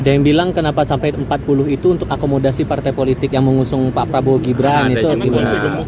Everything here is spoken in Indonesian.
ada yang bilang kenapa sampai empat puluh itu untuk akomodasi partai politik yang mengusung pak prabowo gibran itu gimana